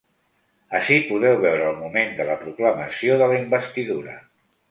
Ací podeu veure el moment de la proclamació de la investidura.